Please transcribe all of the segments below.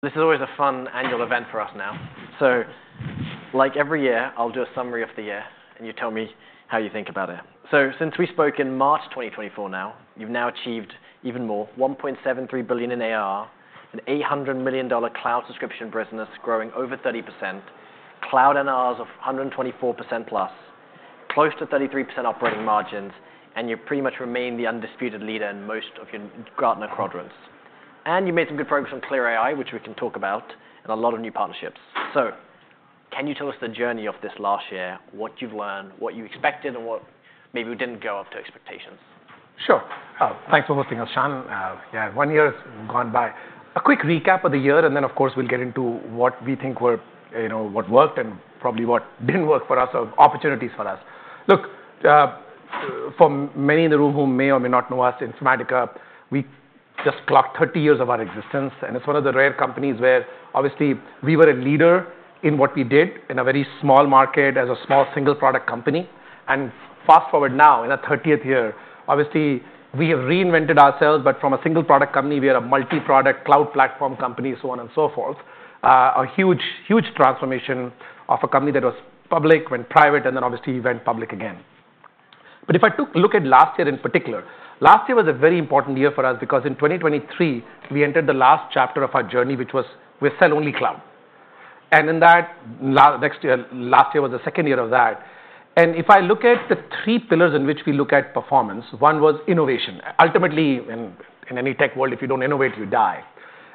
This is always a fun annual event for us now. So, like every year, I'll do a summary of the year, and you tell me how you think about it. So, since we spoke in March 2024, now you've achieved even more: $1.73 billion in ARR, an $800 million Cloud Subscription business growing over 30%, Cloud NRRs of 124%+, close to 33% operating margins, and you pretty much remain the undisputed leader in most of your Gartner Quadrants, and you made some good progress on CLAIRE, which we can talk about, and a lot of new partnerships. So, can you tell us the journey of this last year, what you've learned, what you expected, and what maybe didn't go after expectations? Sure. Thanks for hosting us, [Shan]. Yeah, one year has gone by. A quick recap of the year, and then, of course, we'll get into what we think worked, you know, what worked and probably what didn't work for us, or opportunities for us. Look, for many in the room who may or may not know us, in Informatica, we just clocked 30 years of our existence, and it's one of the rare companies where, obviously, we were a leader in what we did in a very small market as a small single-product company. And fast forward now, in our 30th year, obviously, we have reinvented ourselves, but from a single-product company, we are a multi-product cloud platform company, so on and so forth. A huge, huge transformation of a company that was public, went private, and then, obviously, went public again. But if I look at last year in particular, last year was a very important year for us because, in 2023, we entered the last chapter of our journey, which was we sell only cloud. And in that, last year was the second year of that. And if I look at the three pillars in which we look at performance, one was innovation. Ultimately, in any tech world, if you don't innovate, you die.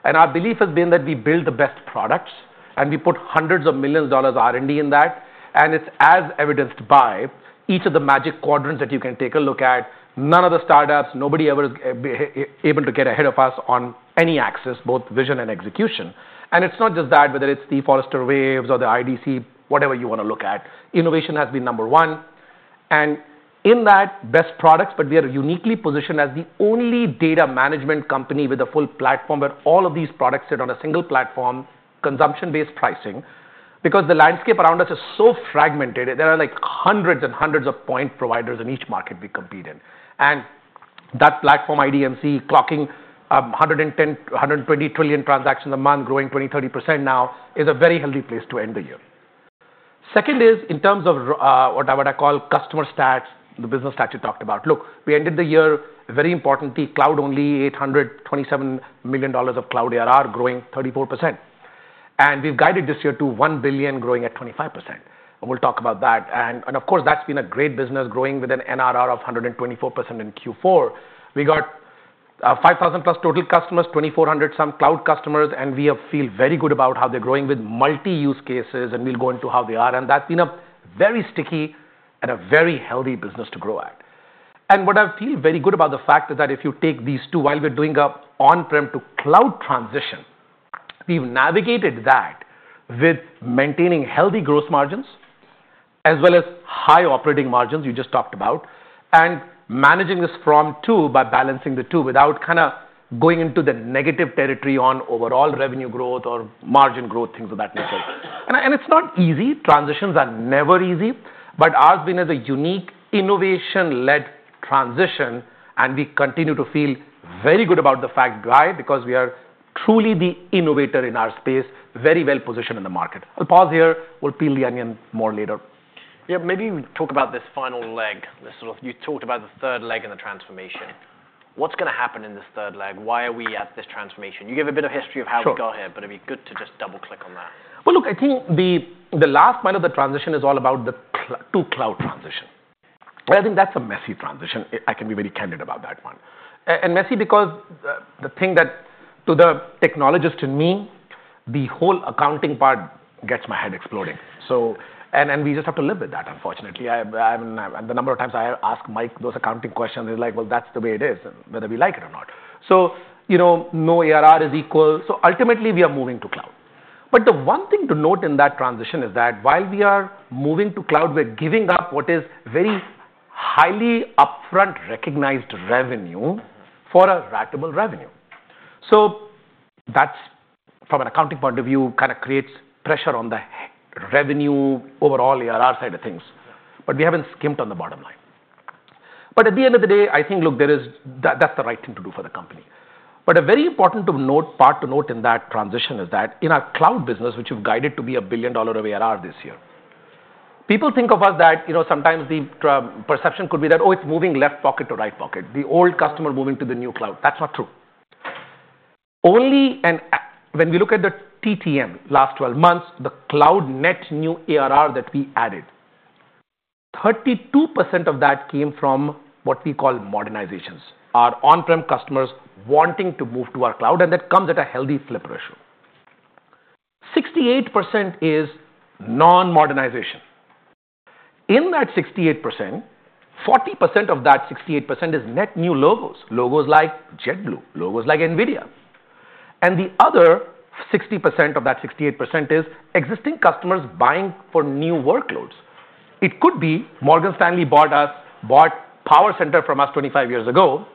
And our belief has been that we build the best products, and we put hundreds of millions of dollars R&D in that, and it's as evidenced by each of the Magic Quadrants that you can take a look at. None of the startups, nobody ever is able to get ahead of us on any axis, both vision and execution. It's not just that, whether it's the Forrester Waves or the IDC, whatever you want to look at, innovation has been number one. And in that, best products, but we are uniquely positioned as the only data management company with a full platform where all of these products sit on a single platform, consumption-based pricing, because the landscape around us is so fragmented. There are like hundreds and hundreds of point providers in each market we compete in. And that platform, IDMC, clocking 110 trillion-120 trillion transactions a month, growing 20%-30% now, is a very healthy place to end the year. Second is, in terms of what I would call customer stats, the business stats you talked about. Look, we ended the year very importantly, cloud-only, $827 million of Cloud ARR, growing 34%. And we've guided this year to $1 billion, growing at 25%. And we'll talk about that. And, of course, that's been a great business, growing with an NRR of 124% in Q4. We got 5,000+ total customers, 2,400 some cloud customers, and we feel very good about how they're growing with multi-use cases, and we'll go into how they are. And that's been a very sticky and a very healthy business to grow at. And what I feel very good about the fact is that if you take these two, while we're doing an on-prem to cloud transition, we've navigated that with maintaining healthy gross margins, as well as high operating margins you just talked about, and managing this from-to by balancing the to- without kind of going into the negative territory on overall revenue growth or margin growth, things of that nature. And it's not easy. Transitions are never easy, but ours has been a unique innovation-led transition, and we continue to feel very good about the fact, why, because we are truly the innovator in our space, very well positioned in the market. I'll pause here. We'll peel the onion more later. Yeah, maybe talk about this final leg. This sort of, you talked about the third leg and the transformation. What's going to happen in this third leg? Why are we at this transformation? You gave a bit of history of how we got here, but it'd be good to just double-click on that. Look, I think the last part of the transition is all about the to-cloud transition. I think that's a messy transition. I can be very candid about that one. Messy because the thing that, to the technologist in me, the whole accounting part gets my head exploding, and we just have to live with that, unfortunately. The number of times I ask Mike those accounting questions, he's like, well, that's the way it is, whether we like it or not. You know, no ARR is equal. Ultimately, we are moving to cloud. The one thing to note in that transition is that while we are moving to cloud, we're giving up what is very highly upfront recognized revenue for a ratable revenue. That's, from an accounting point of view, kind of creates pressure on the revenue overall ARR side of things. But we haven't skimmed on the bottom line. At the end of the day, I think, look, that's the right thing to do for the company. A very important part to note in that transition is that, in our Cloud business, which we've guided to be $1 billion of ARR this year, people think of us that, you know, sometimes the perception could be that, oh, it's moving left pocket to right pocket, the old customer moving to the new cloud. That's not true. Only, and when we look at the TTM last 12 months, the cloud net new ARR that we added, 32% of that came from what we call modernizations. Our on-prem customers wanting to move to our cloud, and that comes at a healthy flip ratio. 68% is non-modernization. In that 68%, 40% of that 68% is net new logos, logos like JetBlue, logos like NVIDIA, and the other 60% of that 68% is existing customers buying for new workloads. It could be Morgan Stanley bought us, bought PowerCenter from us 25 years ago,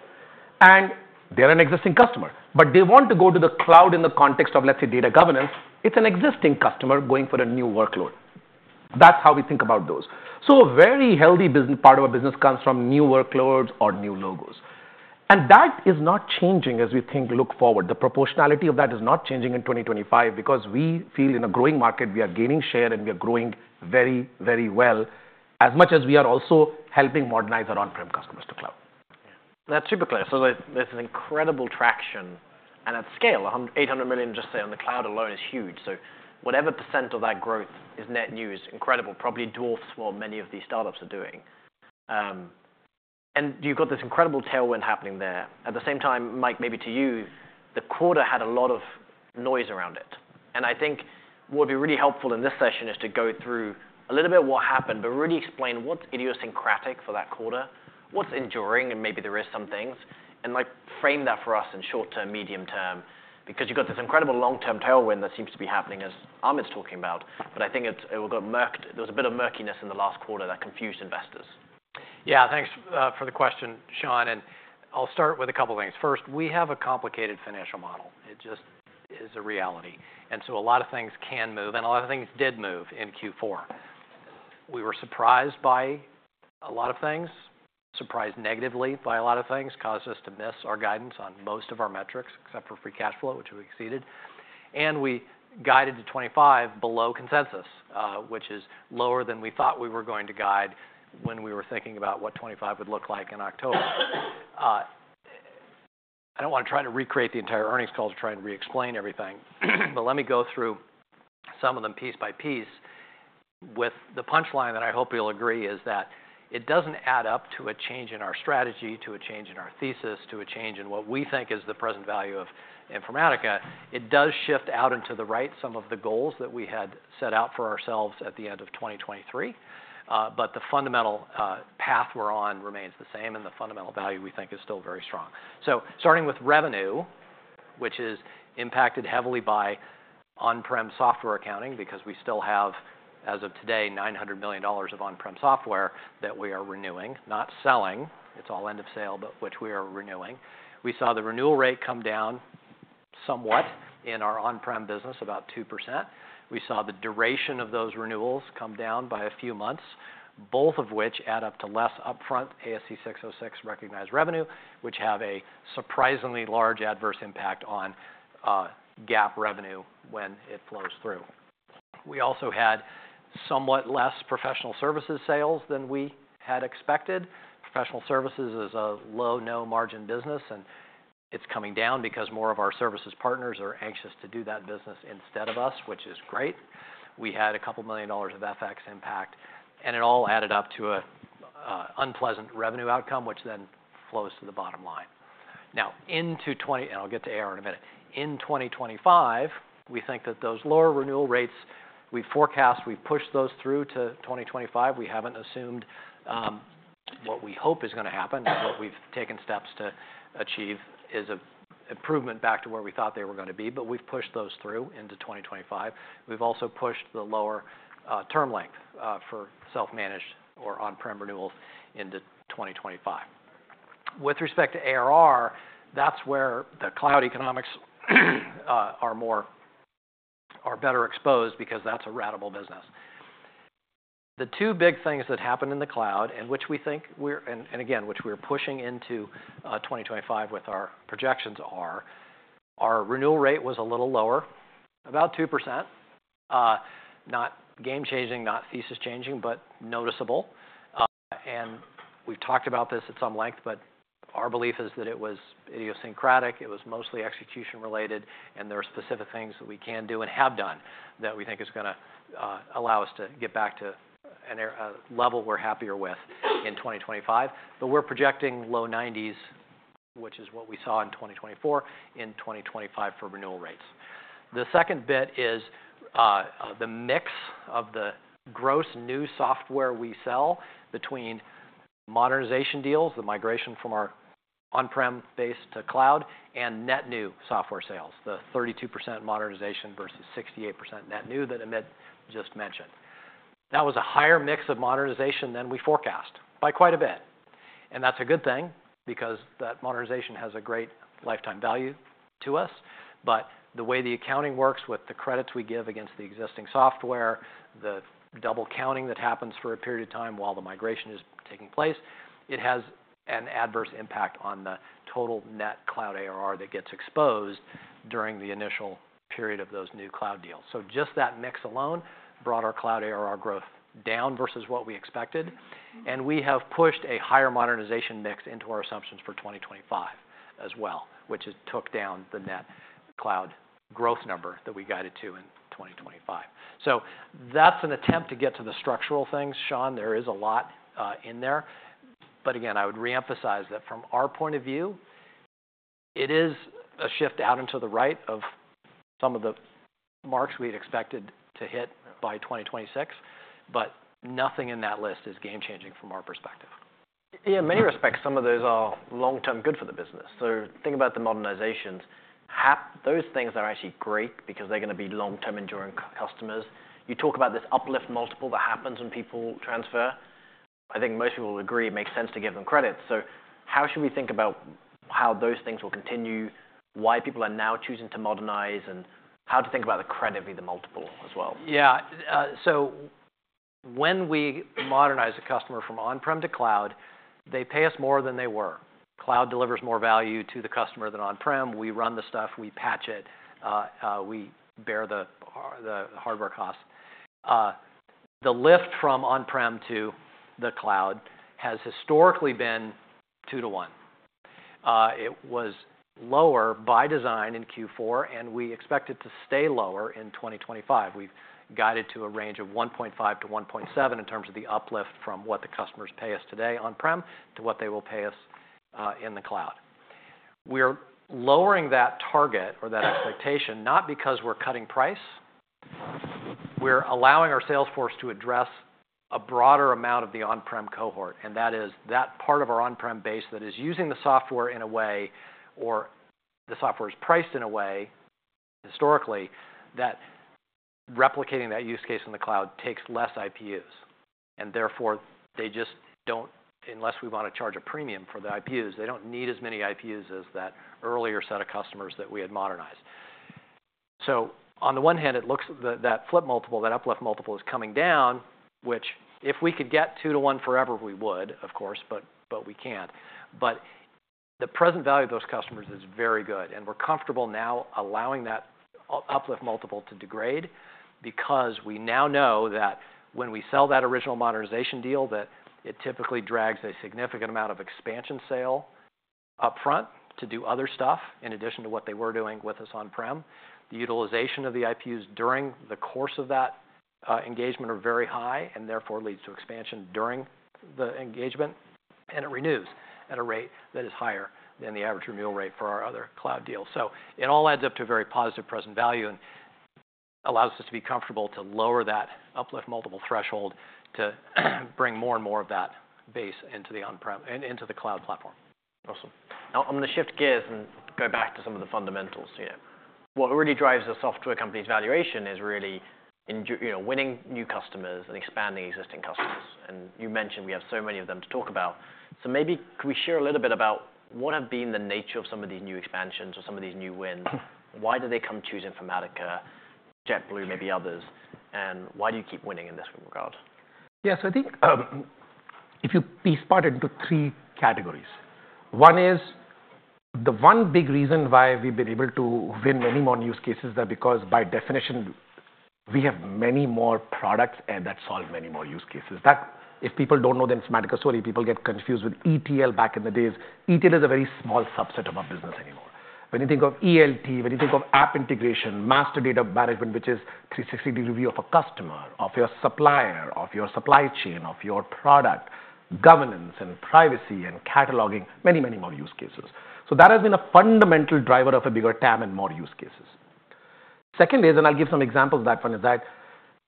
and they're an existing customer, but they want to go to the cloud in the context of, let's say, Data Governance. It's an existing customer going for a new workload. That's how we think about those. So, a very healthy part of our business comes from new workloads or new logos, and that is not changing as we think, look forward. The proportionality of that is not changing in 2025 because we feel in a growing market, we are gaining share, and we are growing very, very well, as much as we are also helping modernize our on-prem customers to cloud. That's super clear. So, there's this incredible traction. And at scale, $800 million, just say, on the cloud alone is huge. So, whatever percent of that growth is net new, incredible, probably dwarfs what many of these startups are doing. And you've got this incredible tailwind happening there. At the same time, Mike, maybe to you, the quarter had a lot of noise around it. And I think what would be really helpful in this session is to go through a little bit of what happened, but really explain what's idiosyncratic for that quarter, what's enduring, and maybe there are some things, and frame that for us in short term, medium term, because you've got this incredible long-term tailwind that seems to be happening, as Amit's talking about, but I think it was a bit of murkiness in the last quarter that confused investors. Yeah, thanks for the question, [Shan]. And I'll start with a couple of things. First, we have a complicated financial model. It just is a reality. And so, a lot of things can move, and a lot of things did move in Q4. We were surprised by a lot of things, surprised negatively by a lot of things, caused us to miss our guidance on most of our metrics, except for free cash flow, which we exceeded. And we guided to 25 below consensus, which is lower than we thought we were going to guide when we were thinking about what 25 would look like in October. I don't want to try to recreate the entire earnings call to try and re-explain everything, but let me go through some of them piece by piece. With the punchline that I hope you'll agree is that it doesn't add up to a change in our strategy, to a change in our thesis, to a change in what we think is the present value of Informatica. It does shift out into the right some of the goals that we had set out for ourselves at the end of 2023, but the fundamental path we're on remains the same, and the fundamental value we think is still very strong. So, starting with revenue, which is impacted heavily by on-prem software accounting because we still have, as of today, $900 million of on-prem software that we are renewing, not selling. It's all end of sale, but which we are renewing. We saw the renewal rate come down somewhat in our on-prem business, about 2%. We saw the duration of those renewals come down by a few months, both of which add up to less upfront ASC 606 recognized revenue, which have a surprisingly large adverse impact on GAAP revenue when it flows through. We also had somewhat less Professional Services sales than we had expected. Professional Services is a low, no margin business, and it's coming down because more of our services partners are anxious to do that business instead of us, which is great. We had $2 million of FX impact, and it all added up to an unpleasant revenue outcome, which then flows to the bottom line. Now, into 2024, and I'll get to ARR in a minute. In 2025, we think that those lower renewal rates we've forecast. We've pushed those through to 2025. We haven't assumed what we hope is going to happen. What we've taken steps to achieve is an improvement back to where we thought they were going to be, but we've pushed those through into 2025. We've also pushed the lower term length for self-managed or on-prem renewals into 2025. With respect to ARR, that's where the cloud economics are better exposed because that's a ratable business. The two big things that happened in the cloud, and which we think we're, and again, which we're pushing into 2025 with our projections, are our renewal rate was a little lower, about 2%, not game-changing, not thesis-changing, but noticeable. And we've talked about this at some length, but our belief is that it was idiosyncratic, it was mostly execution-related, and there are specific things that we can do and have done that we think is going to allow us to get back to a level we're happier with in 2025. But we're projecting low 90%, which is what we saw in 2024, in 2025 for renewal rates. The second bit is the mix of the gross new software we sell between modernization deals, the migration from our on-prem base to cloud, and net new software sales, the 32% modernization versus 68% net new that Amit just mentioned. That was a higher mix of modernization than we forecast by quite a bit. And that's a good thing because that modernization has a great lifetime value to us, but the way the accounting works with the credits we give against the existing software, the double counting that happens for a period of time while the migration is taking place. It has an adverse impact on the total net Cloud ARR that gets exposed during the initial period of those new cloud deals. So, just that mix alone brought our Cloud ARR growth down versus what we expected, and we have pushed a higher modernization mix into our assumptions for 2025 as well, which took down the net cloud growth number that we guided to in 2025. So, that's an attempt to get to the structural things, [Shan]. There is a lot in there, but again, I would re-emphasize that from our point of view, it is a shift out into the right of some of the marks we had expected to hit by 2026, but nothing in that list is game-changing from our perspective. Yeah, in many respects, some of those are long-term good for the business. So, think about the modernizations. Those things are actually great because they're going to be long-term enduring customers. You talk about this uplift multiple that happens when people transfer. I think most people would agree it makes sense to give them credit. So, how should we think about how those things will continue, why people are now choosing to modernize, and how to think about the credit via the multiple as well? Yeah, so when we modernize a customer from on-prem to cloud, they pay us more than they were. Cloud delivers more value to the customer than on-prem. We run the stuff, we patch it, we bear the hardware costs. The lift from on-prem to the cloud has historically been two-to-one. It was lower by design in Q4, and we expect it to stay lower in 2025. We've guided to a range of 1.5 to 1.7 in terms of the uplift from what the customers pay us today on-prem to what they will pay us in the cloud. We're lowering that target or that expectation, not because we're cutting price. We're allowing our sales force to address a broader amount of the on-prem cohort, and that is that part of our on-prem base that is using the software in a way, or the software is priced in a way historically that replicating that use case in the cloud takes less IPUs. And therefore, they just don't, unless we want to charge a premium for the IPUs, they don't need as many IPUs as that earlier set of customers that we had modernized. So, on the one hand, it looks that flip multiple, that uplift multiple is coming down, which if we could get two to one forever, we would, of course, but we can't. But the present value of those customers is very good, and we're comfortable now allowing that uplift multiple to degrade because we now know that when we sell that original modernization deal, that it typically drags a significant amount of expansion sale upfront to do other stuff in addition to what they were doing with us on-prem. The utilization of the IPUs during the course of that engagement are very high, and therefore leads to expansion during the engagement, and it renews at a rate that is higher than the average renewal rate for our other cloud deals. So, it all adds up to a very positive present value and allows us to be comfortable to lower that uplift multiple threshold to bring more and more of that base into the cloud platform. Awesome. Now, I'm going to shift gears and go back to some of the fundamentals. What really drives a software company's valuation is really winning new customers and expanding existing customers. And you mentioned we have so many of them to talk about. So, maybe could we share a little bit about what have been the nature of some of these new expansions or some of these new wins? Why did they choose Informatica, JetBlue, maybe others? And why do you keep winning in this regard? Yeah, so I think if you break it apart into three categories. One is the one big reason why we've been able to win many more use cases is that because by definition, we have many more products that solve many more use cases. If people don't know the Informatica story, people get confused with ETL back in the days. ETL is a very small subset of our business anymore. When you think of ELT, when you think of App Integration, Master Data Management, which is a 360-degree view of a customer, of your supplier, of your supply chain, of your product, Governance and Privacy and Cataloging, many, many more use cases. So, that has been a fundamental driver of a bigger TAM and more use cases. Second is, and I'll give some examples of that one, is that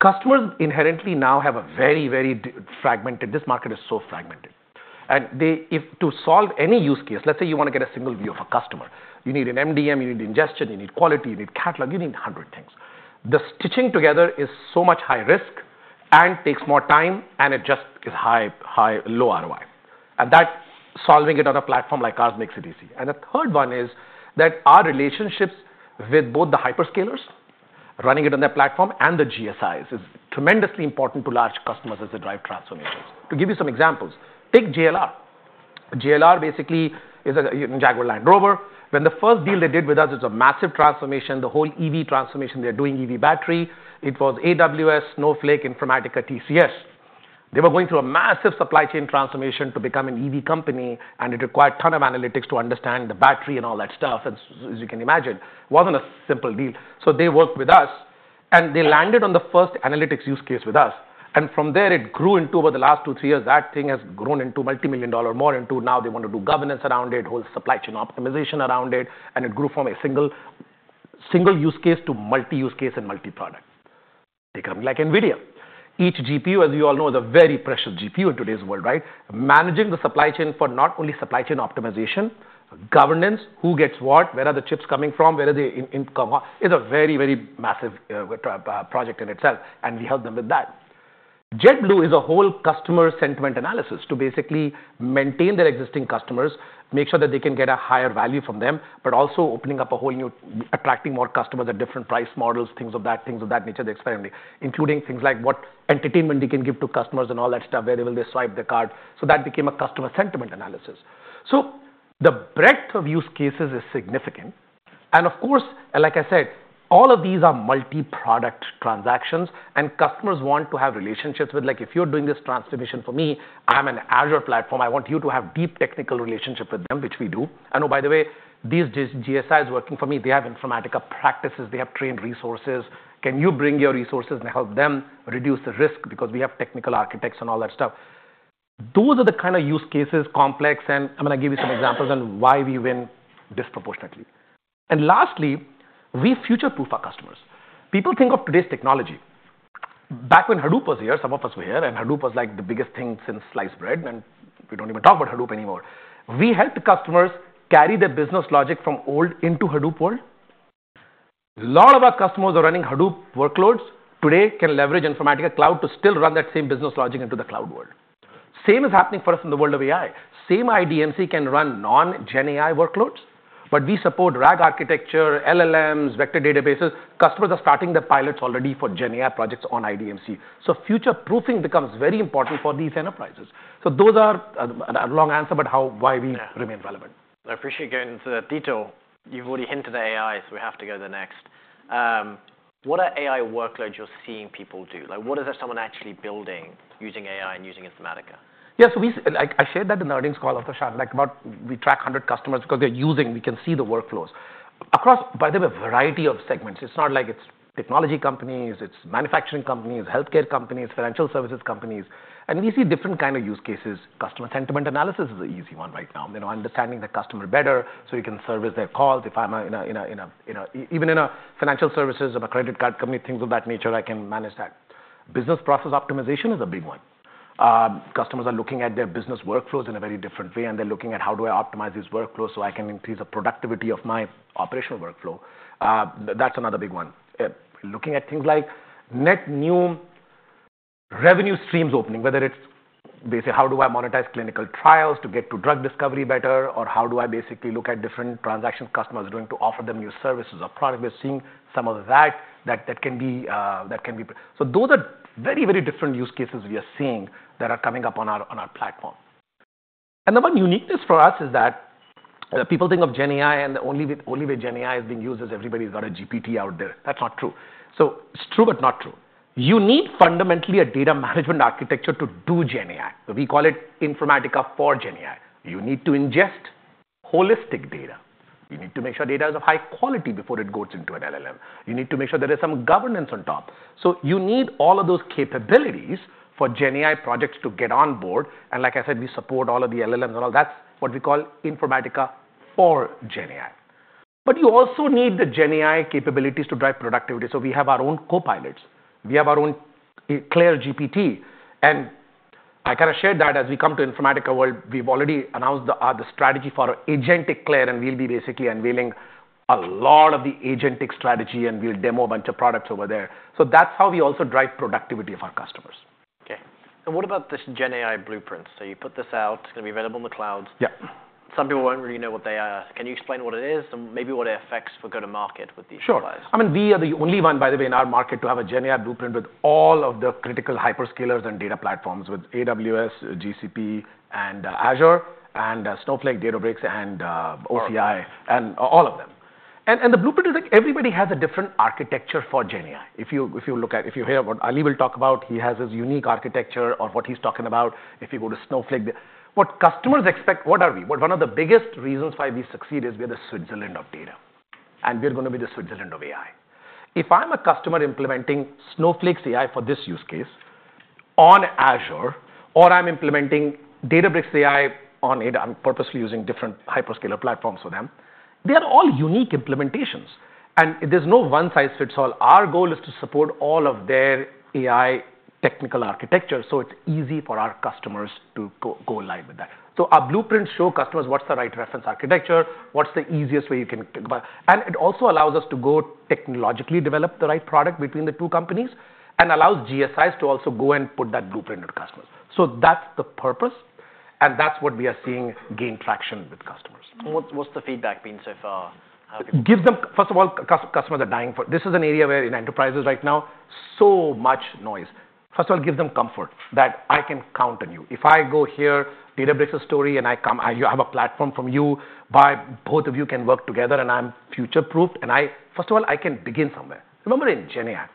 customers inherently now have a very, very fragmented, this market is so fragmented. And to solve any use case, let's say you want to get a single view of a customer, you need an MDM, you need ingestion, you need quality, you need catalog, you need a hundred things. The stitching together is so much high risk and takes more time, and it just is high, low ROI. And that solving it on a platform like ours makes it easy. And the third one is that our relationships with both the hyperscalers running it on their platform and the GSIs is tremendously important to large customers as they drive transformations. To give you some examples, take JLR. JLR basically is a Jaguar Land Rover. When the first deal they did with us, it was a massive transformation, the whole EV transformation. They're doing EV battery. It was AWS, Snowflake, Informatica, TCS. They were going through a massive supply chain transformation to become an EV company, and it required a ton of analytics to understand the battery and all that stuff, and as you can imagine, it wasn't a simple deal, so they worked with us, and they landed on the first analytics use case with us, and from there, it grew into over the last two years, three years, that thing has grown into multimillion-dollar or more, into now they want to do Governance around it, whole supply chain optimization around it, and it grew from a single use case to multi-use case and multi-product. They're coming like NVIDIA. Each GPU, as you all know, is a very precious GPU in today's world, right? Managing the supply chain for not only supply chain optimization, Governance, who gets what, where are the chips coming from, where are they coming from, is a very, very massive project in itself, and we help them with that. JetBlue is a whole customer sentiment analysis to basically maintain their existing customers, make sure that they can get a higher value from them, but also opening up a whole new, attracting more customers at different price models, things of that nature, they explain to me, including things like what entertainment they can give to customers and all that stuff, where will they swipe their card. So, that became a customer sentiment analysis. So, the breadth of use cases is significant. Of course, like I said, all of these are multi-products transactions, and customers want to have relationships with, like, if you're doing this transformation for me, I'm an Azure platform, I want you to have a deep technical relationship with them, which we do. Oh, by the way, these GSIs working for me, they have Informatica practices, they have trained resources. Can you bring your resources and help them reduce the risk because we have technical architects and all that stuff? Those are the kind of use cases complex, and I'm going to give you some examples on why we win disproportionately. Lastly, we future-proof our customers. People think of today's technology. Back when Hadoop was here, some of us were here, and Hadoop was like the biggest thing since sliced bread, and we don't even talk about Hadoop anymore. We helped customers carry their business logic from old into Hadoop world. A lot of our customers are running Hadoop workloads today, can leverage Informatica Cloud to still run that same business logic into the cloud world. Same is happening for us in the world of AI. Same IDMC can run non-GenAI workloads, but we support RAG architecture, LLMs, vector databases. Customers are starting the pilots already for GenAI projects on IDMC. Future-proofing becomes very important for these enterprises. Those are a long answer, but why we remain relevant. I appreciate going into that detail. You've already hinted at AI, so we have to go to the next. What are AI workloads you're seeing people do? Like, what is that someone actually building using AI and using Informatica? Yeah, so I shared that in the earnings call also, [Shan], like about we track 100 customers because they're using; we can see the workflows across, by the way, a variety of segments. It's not like it's technology companies, it's manufacturing companies, healthcare companies, financial services companies. And we see different kinds of use cases. Customer sentiment analysis is an easy one right now. They're now understanding the customer better, so you can service their calls. If I'm even in a financial services of a credit card company, things of that nature, I can manage that. Business process optimization is a big one. Customers are looking at their business workflows in a very different way, and they're looking at how do I optimize these workflows so I can increase the productivity of my operational workflow. That's another big one. Looking at things like net new revenue streams opening, whether it's basically how do I monetize clinical trials to get to drug discovery better, or how do I basically look at different transactions customers are doing to offer them new services or products. We're seeing some of that can be. So, those are very, very different use cases we are seeing that are coming up on our platform. And the one uniqueness for us is that people think of GenAI, and the only way GenAI is being used is everybody's got a GPT out there. That's not true. So, it's true, but not true. You need fundamentally a data management architecture to do GenAI. So, we call it Informatica for GenAI. You need to ingest holistic data. You need to make sure data is of high quality before it goes into an LLM. You need to make sure there is some Governance on top. So, you need all of those capabilities for GenAI projects to get on board. And like I said, we support all of the LLMs and all. That's what we call Informatica for GenAI. But you also need the GenAI capabilities to drive productivity. So, we have our own copilots. We have our own CLAIRE GPT. And I kind of shared that as we come to Informatica world, we've already announced the strategy for agentic CLAIRE, and we'll be basically unveiling a lot of the agentic strategy, and we'll demo a bunch of products over there. So, that's how we also drive productivity of our customers. Okay. And what about this GenAI blueprint? So, you put this out, it's going to be available in the clouds. Yeah. Some people won't really know what they are. Can you explain what it is and maybe what it affects for go to market with these suppliers? Sure. I mean, we are the only one, by the way, in our market to have a GenAI blueprint with all of the critical hyperscalers and data platforms with AWS, GCP, and Azure, and Snowflake, Databricks, and OCI, and all of them, and the blueprint is like everybody has a different architecture for GenAI. If you look at if you hear what Ali will talk about, he has his unique architecture or what he's talking about. If you go to Snowflake, what customers expect, what are we? One of the biggest reasons why we succeed is we are the Switzerland of data, and we're going to be the Switzerland of AI. If I'm a customer implementing Snowflake's AI for this use case on Azure, or I'm implementing Databricks' AI on it, I'm purposely using different hyperscaler platforms for them. They are all unique implementations, and there's no one size fits all. Our goal is to support all of their AI technical architecture, so it's easy for our customers to go live with that. So, our blueprints show customers what's the right reference architecture, what's the easiest way you can think about. And it also allows us to go technologically develop the right product between the two companies and allows GSIs to also go and put that blueprint to customers. So, that's the purpose, and that's what we are seeing gain traction with customers. What's the feedback been so far? Give them, first of all, customers are dying for. This is an area where in enterprises right now, so much noise. First of all, give them comfort that I can count on you. If I go hear Databricks' story, and I come, you have a platform from you, both of you can work together, and I'm future-proofed, and I, first of all, I can begin somewhere. Remember in GenAI,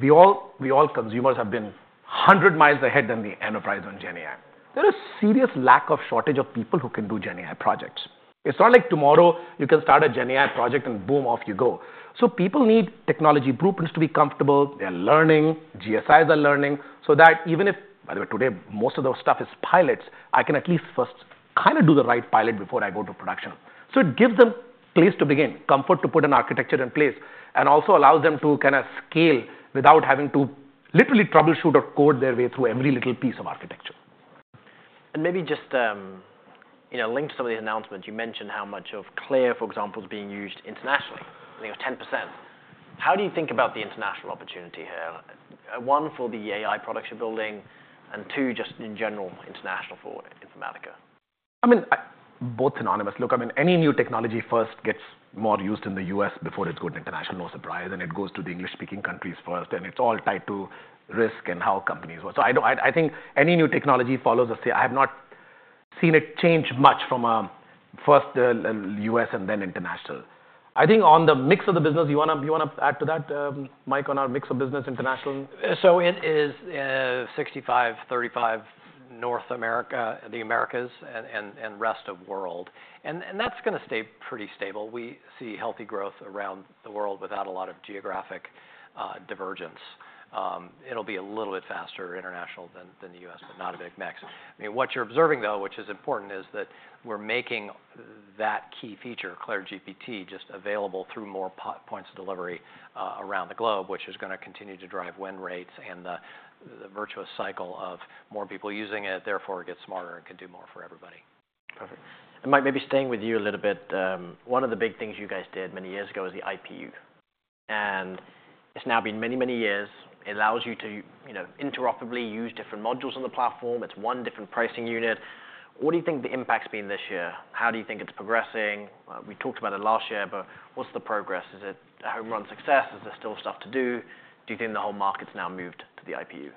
we all consumers have been 100 mi ahead than the enterprise on GenAI. There is a serious lack of shortage of people who can do GenAI projects. It's not like tomorrow you can start a GenAI project and boom, off you go. So, people need technology blueprints to be comfortable. They're learning, GSIs are learning, so that even if, by the way, today most of the stuff is pilots, I can at least first kind of do the right pilot before I go to production. So, it gives them a place to begin, comfort to put an architecture in place, and also allows them to kind of scale without having to literally troubleshoot or code their way through every little piece of architecture. And maybe just link to some of these announcements. You mentioned how much of CLAIRE, for example, is being used internationally, I think it was 10%. How do you think about the international opportunity here? One, for the AI products you're building, and two, just in general, international for Informatica? I mean, both synonymous. Look, I mean, any new technology first gets more used in the U.S. before it's good international, no surprise, and it goes to the English-speaking countries first, and it's all tied to risk and how companies work. So, I think any new technology follows us here. I have not seen it change much from first U.S. and then international. I think on the mix of the business, you want to add to that, Mike, on our mix of business international? It is 65%-35% North America, the Americas, and rest of world. That's going to stay pretty stable. We see healthy growth around the world without a lot of geographic divergence. It'll be a little bit faster international than the U.S., but not a big mix. I mean, what you're observing, though, which is important, is that we're making that key feature, CLAIRE GPT, just available through more points of delivery around the globe, which is going to continue to drive win rates and the virtuous cycle of more people using it. Therefore, it gets smarter and can do more for everybody. Perfect. Mike, maybe staying with you a little bit, one of the big things you guys did many years ago is the IPU. It's now been many, many years. It allows you to interoperably use different modules on the platform. It's one different pricing unit. What do you think the impact's been this year? How do you think it's progressing? We talked about it last year, but what's the progress? Is it a home run success? Is there still stuff to do? Do you think the whole market's now moved to the IPU?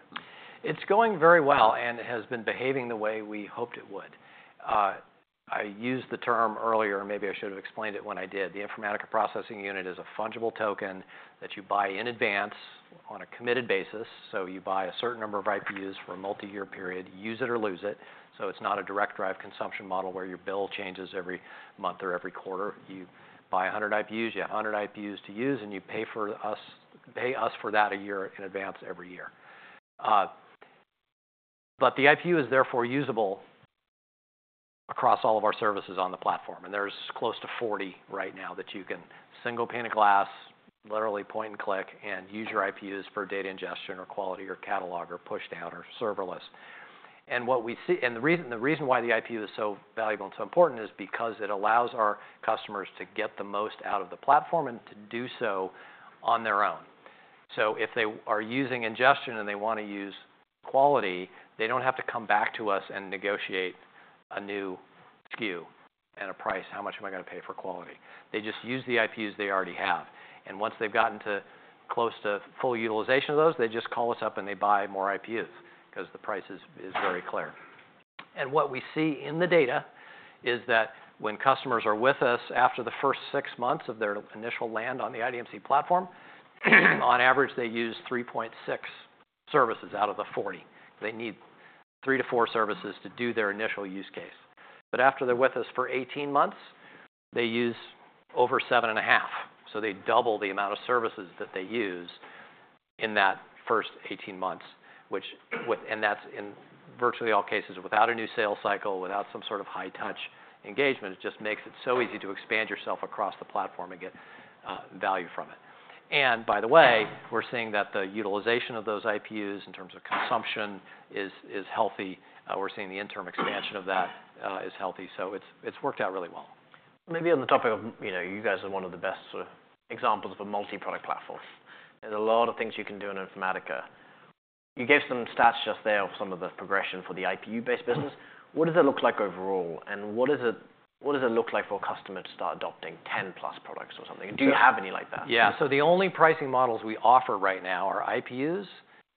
It's going very well, and it has been behaving the way we hoped it would. I used the term earlier, and maybe I should have explained it when I did. The Informatica Processing Unit is a fungible token that you buy in advance on a committed basis. So, you buy a certain number of IPUs for a multi-year period, use it or lose it. So, it's not a direct drive consumption model where your bill changes every month or every quarter. You buy 100 IPUs, you have 100 IPUs to use, and you pay us for that a year in advance every year, but the IPU is therefore usable across all of our services on the platform, and there's close to 40 services right now that you can single pane of glass, literally point and click, and use your IPUs for data ingestion or quality or catalog or pushdown or serverless, and the reason why the IPU is so valuable and so important is because it allows our customers to get the most out of the platform and to do so on their own, so if they are using ingestion and they want to use quality, they don't have to come back to us and negotiate a new SKU and a price, how much am I going to pay for quality? They just use the IPUs they already have. And once they've gotten to close to full utilization of those, they just call us up and they buy more IPUs because the price is very clear. And what we see in the data is that when customers are with us after the first six months of their initial land on the IDMC platform, on average, they use 3.6 services out of the 40 services. They need 3 services-4 services to do their initial use case. But after they're with us for 18 months, they use over 7.5 services. So, they double the amount of services that they use in that first 18 months, which, and that's in virtually all cases without a new sales cycle, without some sort of high-touch engagement. It just makes it so easy to expand yourself across the platform and get value from it. And by the way, we're seeing that the utilization of those IPUs in terms of consumption is healthy. We're seeing the interim expansion of that is healthy. So, it's worked out really well. Maybe on the topic of, you guys are one of the best sort of examples of a multi-product platform. There's a lot of things you can do in Informatica. You gave some stats just there of some of the progression for the IPU-based business. What does it look like overall? And what does it look like for a customer to start adopting 10+ products or something? Do you have any like that? Yeah. So, the only pricing models we offer right now are IPUs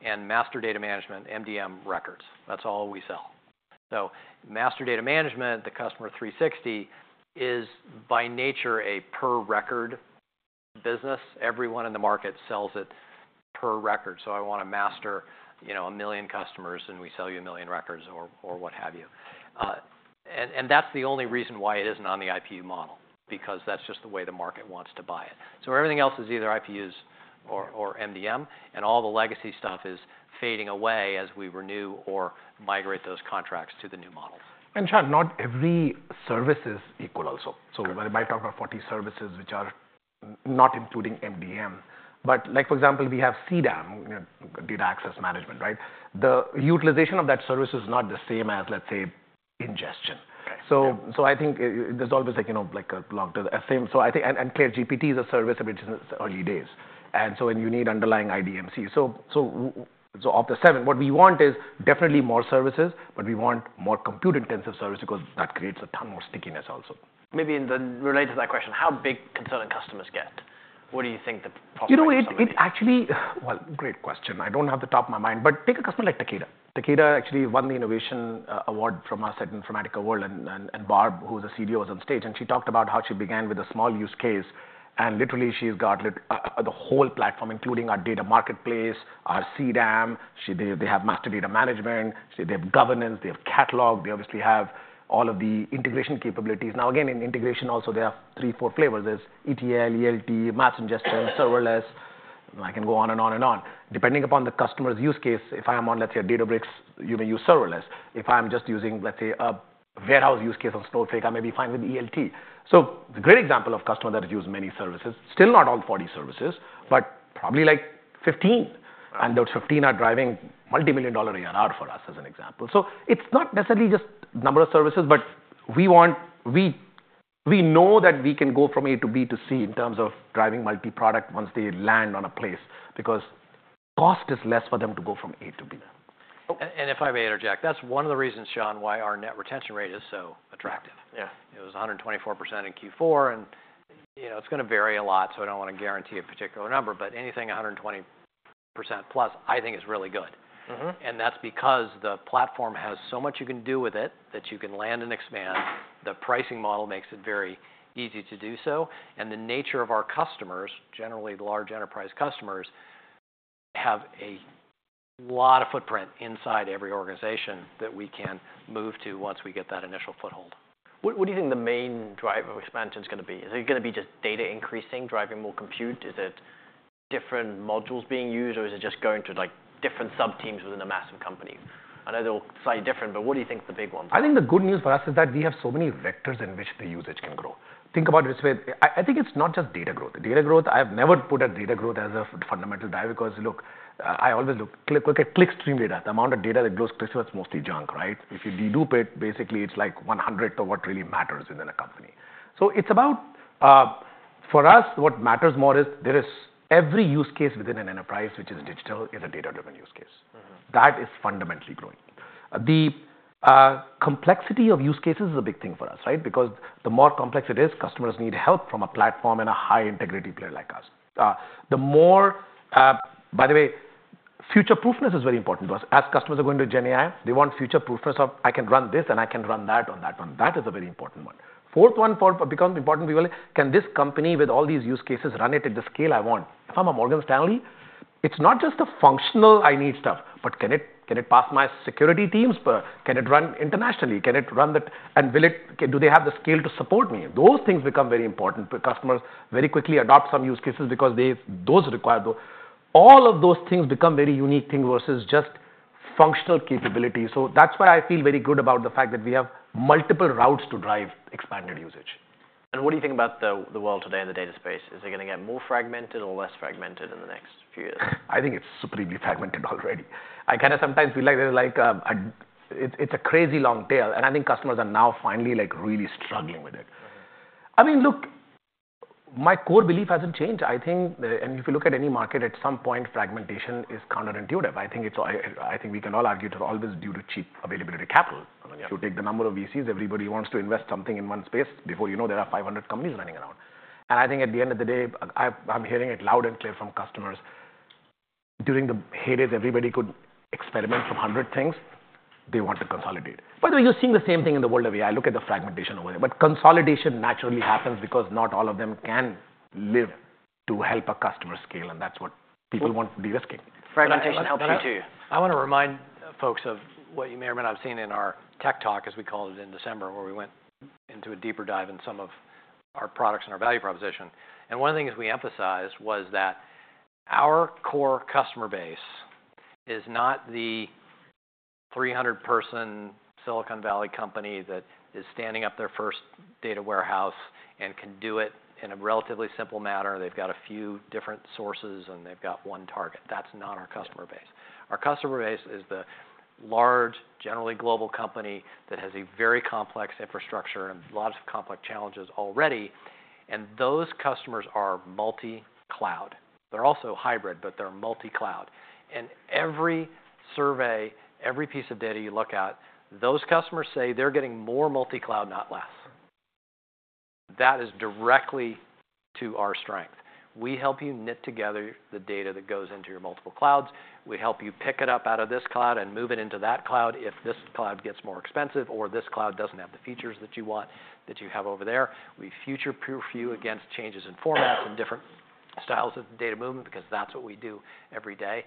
and Master Data Management, MDM records. That's all we sell. So, Master Data Management, the Customer 360, is by nature a per record business. Everyone in the market sells it per record. I want to Master a million customers, and we sell you a million records or what have you. That's the only reason why it isn't on the IPU model, because that's just the way the market wants to buy it. Everything else is either IPUs or MDM, and all the legacy stuff is fading away as we renew or migrate those contracts to the new models. And [Shan], not every service is equal also. So, we might talk about 40 services, which are not including MDM. But like, for example, we have CDAM, Data Access Management, right? The utilization of that service is not the same as, let's say, ingestion. So, I think there's always like a long term, and CLAIRE GPT is a service of its early days. And so, when you need underlying IDMC, so of the seven, what we want is definitely more services, but we want more compute-intensive services because that creates a ton more stickiness also. Maybe related to that question, how big can customers get? What do you think the possibility is? You know, it actually, well, great question. I don't have it top of mind, but take a customer like Takeda. Takeda actually won the Innovation Award from us at Informatica World, and Barb, who was a CDO, was on stage, and she talked about how she began with a small use case, and literally she's got the whole platform, including our Data Marketplace, our CDAM. They have Master Data Management, they have Governance, they have catalog, they obviously have all of the Integration capabilities. Now, again, in Integration also, they have three flavors, four flavors. There's ETL, ELT, mass ingestion, serverless, and I can go on and on and on. Depending upon the customer's use case, if I'm on, let's say, a Databricks, you may use serverless. If I'm just using, let's say, a warehouse use case on Snowflake, I may be fine with ELT. It's a great example of a customer that has used many services, still not all 40 services, but probably like 15 services, and those 15 services are driving multi-million-dollar ARR for us as an example. It's not necessarily just a number of services, but we know that we can go from A to B to C in terms of driving multi-product once they land on a place, because cost is less for them to go from A to B. And if I may interject, that's one of the reasons, [Shan], why our net retention rate is so attractive. Yeah, it was 124% in Q4, and it's going to vary a lot, so I don't want to guarantee a particular number, but anything 120%+, I think is really good. And that's because the platform has so much you can do with it that you can land and expand. The pricing model makes it very easy to do so. And the nature of our customers, generally large enterprise customers, have a lot of footprint inside every organization that we can move to once we get that initial foothold. What do you think the main driver of expansion is going to be? Is it going to be just data increasing, driving more compute? Is it different modules being used, or is it just going to different sub-teams within the massive company? I know they'll say different, but what do you think the big ones are? I think the good news for us is that we have so many vectors in which the usage can grow. Think about it this way. I think it's not just data growth. Data growth, I've never put data growth as a fundamental driver, because look, I always look at clickstream data. The amount of data that goes to clickstream is mostly junk, right? If you dedupe it, basically it's like 100th of what really matters within a company. So, it's about, for us, what matters more is there is every use case within an enterprise which is digital is a data-driven use case. That is fundamentally growing. The complexity of use cases is a big thing for us, right? Because the more complex it is, customers need help from a platform and a high integrity player like us. The more, by the way, future-proofness is very important to us. As customers are going to GenAI, they want future-proofness of, I can run this and I can run that on that one. That is a very important one. Fourth one becomes important. Can this company with all these use cases run it at the scale I want? If I'm a Morgan Stanley, it's not just the functional I need stuff, but can it pass my security teams? Can it run internationally? Can it run the, and will it, do they have the scale to support me? Those things become very important for customers very quickly adopt some use cases because those require those. All of those things become very unique things versus just functional capability. So, that's why I feel very good about the fact that we have multiple routes to drive expanded usage. What do you think about the world today in the data space? Is it going to get more fragmented or less fragmented in the next few years? I think it's supremely fragmented already. I kind of sometimes feel like there's like, it's a crazy long tail, and I think customers are now finally like really struggling with it. I mean, look, my core belief hasn't changed. I think, and if you look at any market, at some point, fragmentation is counterintuitive. I think we can all argue it's always due to cheap availability capital. If you take the number of VC, everybody wants to invest something in one space before you know there are 500 companies running around. And I think at the end of the day, I'm hearing it loud and clear from customers. During the heydays, everybody could experiment from 100 things. They want to consolidate. By the way, you're seeing the same thing in the world of AI. Look at the fragmentation over there. But consolidation naturally happens because not all of them can live to help a customer scale, and that's what people want to be risking. Fragmentation helps you too. I want to remind folks of what you may or may not have seen in our tech talk, as we called it in December, where we went into a deeper dive in some of our products and our value proposition, and one of the things we emphasized was that our core customer base is not the 300-person Silicon Valley company that is standing up their first data warehouse and can do it in a relatively simple manner. They've got a few different sources, and they've got one target. That's not our customer base. Our customer base is the large, generally global company that has a very complex infrastructure and lots of complex challenges already, and those customers are multi-cloud. They're also hybrid, but they're multi-cloud, and every survey, every piece of data you look at, those customers say they're getting more multi-cloud, not less. That is directly to our strength. We help you knit together the data that goes into your multiple clouds. We help you pick it up out of this cloud and move it into that cloud if this cloud gets more expensive or this cloud doesn't have the features that you want that you have over there. We future-proof you against changes in formats and different styles of data movement because that's what we do every day.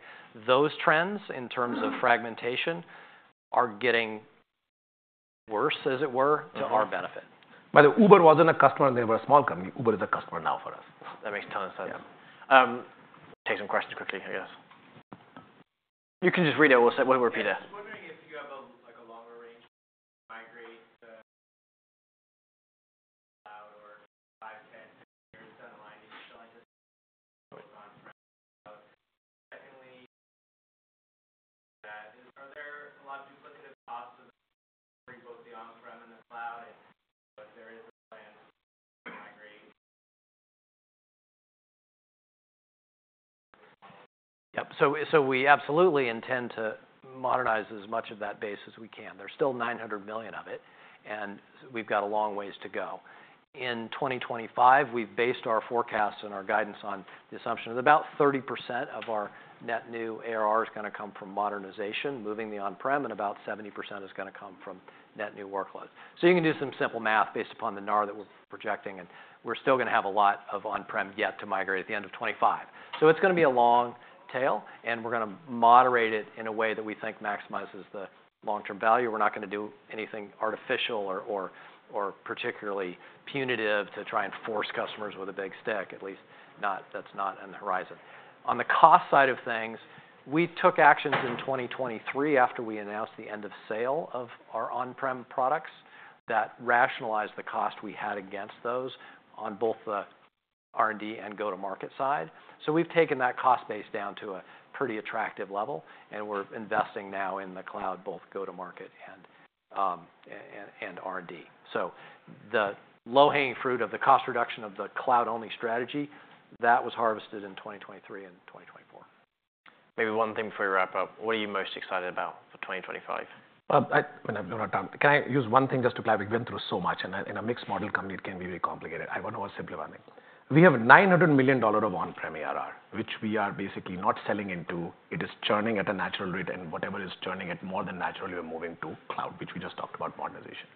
Those trends in terms of fragmentation are getting worse, as it were, to our benefit. By the way, Uber wasn't a customer when they were a small company. Uber is a customer now for us. That makes a ton of sense. Take some questions quickly, I guess. You can just read it. We'll repeat it. I was wondering if you have a longer range to migrate to cloud or 5 years, 10 years down the line to just go into on-prem cloud. Secondly, are there a lot of duplicative costs for both the on-prem and the cloud, and if there is a plan to migrate to this model? Yep. So, we absolutely intend to modernize as much of that base as we can. There's still $900 million of it, and we've got a long ways to go. In 2025, we've based our forecasts and our guidance on the assumption that about 30% of our net new ARR is going to come from modernization, moving the on-prem, and about 70% is going to come from net new workloads. So, you can do some simple math based upon the ARR that we're projecting, and we're still going to have a lot of on-prem yet to migrate at the end of 2025. So, it's going to be a long tail, and we're going to moderate it in a way that we think maximizes the long-term value. We're not going to do anything artificial or particularly punitive to try and force customers with a big stick, at least that's not on the horizon. On the cost side of things, we took actions in 2023 after we announced the end of sale of our on-prem products that rationalized the cost we had against those on both the R&D and go-to-market side. So, we've taken that cost base down to a pretty attractive level, and we're investing now in the cloud, both go-to-market and R&D. So, the low-hanging fruit of the cost reduction of the cloud-only strategy, that was harvested in 2023 and 2024. Maybe one thing before we wrap up, what are you most excited about for 2025? Well, when I've run out of time, can I use one thing just to clarify? We've been through so much, and in a mixed model company, it can be very complicated. I want to oversimplify things. We have $900 million of on-prem ARR, which we are basically not selling into. It is churning at a natural rate, and whatever is churning it more than naturally, we're moving to cloud, which we just talked about modernization.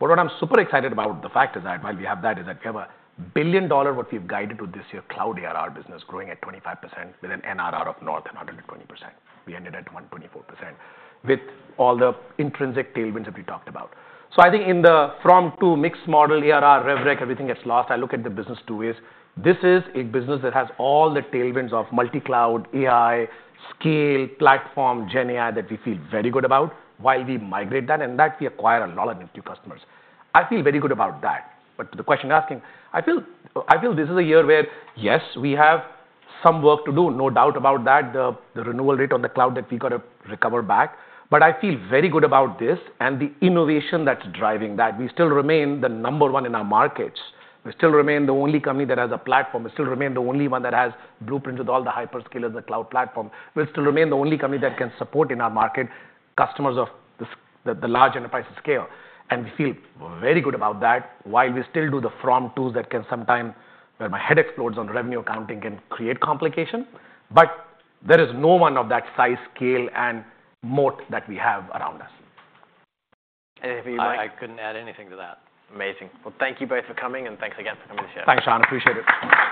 But what I'm super excited about, the fact is that while we have that, is that we have a billion dollar what we've guided to this year Cloud ARR business growing at 25% with an NRR of north of 120%. We ended at 124% with all the intrinsic tailwinds that we talked about. So, I think in the, from two mixed model ARR revenue, everything gets lost. I look at the business two ways. This is a business that has all the tailwinds of multi-cloud, AI, scale, platform, GenAI that we feel very good about while we migrate that, and that we acquire a lot of new customers. I feel very good about that. But to the question you're asking, I feel this is a year where, yes, we have some work to do, no doubt about that, the renewal rate on the cloud that we got to recover back. But I feel very good about this and the innovation that's driving that. We still remain the number one in our markets. We still remain the only company that has a platform. We still remain the only one that has blueprints with all the hyperscalers and the cloud platform. We'll still remain the only company that can support in our market customers of the large enterprise scale. And we feel very good about that while we still do the deals that can sometimes, where my head explodes on revenue accounting can create complication. But there is no one of that size, scale, and moat that we have around us. I couldn't add anything to that. Amazing. Well, thank you both for coming, and thanks again for coming to the show. Thanks, [Shan]. Appreciate it.